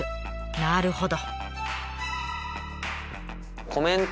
なるほど。